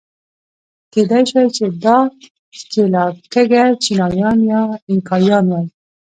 کېدای شوای چې دا ښکېلاکګر چینایان یا اینکایان وای.